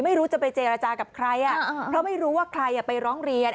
ไม่รู้จะไปเจรจากับใครเพราะไม่รู้ว่าใครไปร้องเรียน